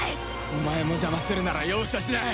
お前も邪魔するなら容赦しない。